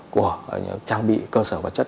của trang bị cơ sở vật chất